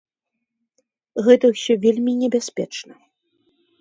Гэта ўсё вельмі небяспечна.